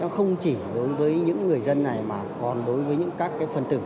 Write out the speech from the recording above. không chỉ đối với những người dân này mà còn đối với những các phần tử